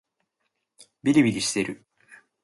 びりびりしてる